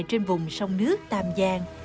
trên vùng sông nước tàm giang